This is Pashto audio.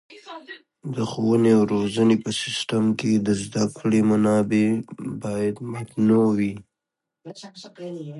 د ښوونې او روزنې په سیستم کې د زده کړې منابع باید متنوع وي.